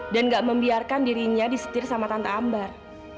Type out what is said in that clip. dan gak membiarkan dirinya disetir sama tante ambar